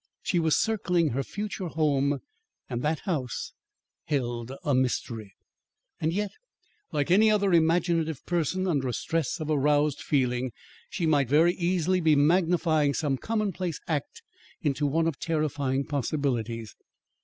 She was circling her future home and that house held a mystery. And yet, like any other imaginative person under a stress of aroused feeling, she might very easily be magnifying some commonplace act into one of terrifying possibilities.